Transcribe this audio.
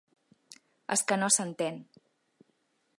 És que no s’entén.